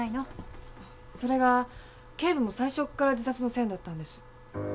それが警部も最初から自殺の線だったんです。